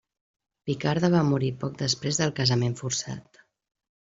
Picarda va morir poc després del casament forçat.